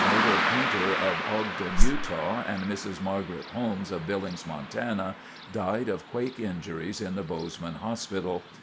Myrtle Painter of Ogden, Utah, and Mrs. Margaret Holmes of Billings, Montana, died of quake injuries in the Bozeman Hospital.